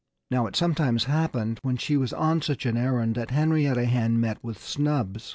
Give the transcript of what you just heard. Now, it sometimes happened, when she was on such an errand, that Henrietta Hen met with snubs.